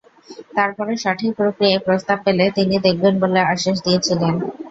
তার পরও সঠিক প্রক্রিয়ায় প্রস্তাব পেলে তিনি দেখবেন বলে আশ্বাস দিয়েছিলেন।